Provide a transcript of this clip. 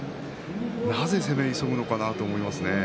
なぜ攻め急ぐのかなと思いますね。